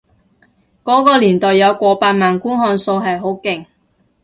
嗰個年代有過百萬觀看數係好勁